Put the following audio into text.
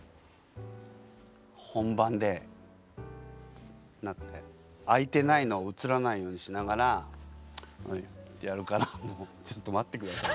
本番でなって開いてないのを映らないようにしながらほいってやるからちょっと待ってくれと。